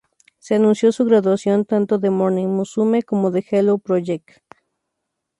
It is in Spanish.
Se anunció su graduación tanto de Morning Musume como de Hello Project!